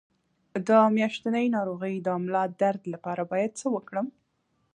د میاشتنۍ ناروغۍ د ملا درد لپاره باید څه وکړم؟